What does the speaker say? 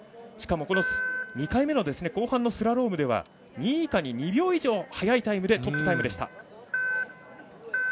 しかも、この２回目の後半のスラロームでは２位以下に２秒以上速いタイムでトップでした。